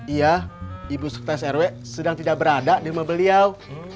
iya ibu sekretas rw sedang tidak berada di rumah beliau